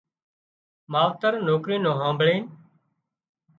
ماوتر نوڪرِي نُون هانڀۯينَ